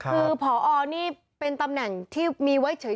คือพอนี่เป็นตำแหน่งที่มีไว้เฉย